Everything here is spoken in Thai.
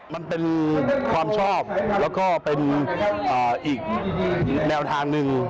มันเป็นความชอบแล้วก็เป็นอีกแนวทางหนึ่ง